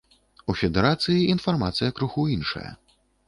У федэрацыі інфармацыя крыху іншая.